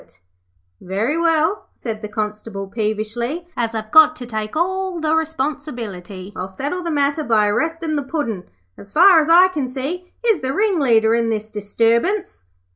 'Very well,' said the Constable, peevishly, 'as I've got to take all the responsibility, I'll settle the matter by arresting the Puddin'. As far as I can see, he's the ringleader in this disturbance.'